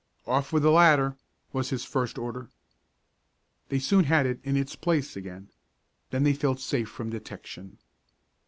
"Off with the ladder," was his first order. They soon had that in its place again. Then they felt safe from detection.